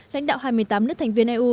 lãnh đạo hai mươi tám nước thành viên eu